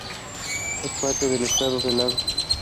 Es parte del Estado de Lagos.